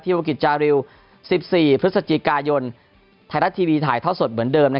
วรกิจจาริว๑๔พฤศจิกายนไทยรัฐทีวีถ่ายทอดสดเหมือนเดิม